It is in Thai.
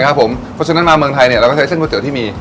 เพราะฉะนั้นมาเมืองไทยเราก็ใช้เส้นก๋วเตี๋ยที่มี